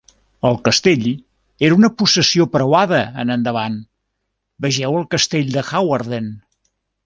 El castell era una possessió preuada en endavant, vegeu el castell de Hawarden.